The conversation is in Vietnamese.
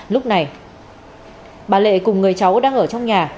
lúc này bà lệ cùng người cháu đang ở trong nhà